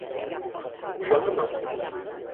...оҡшанымы?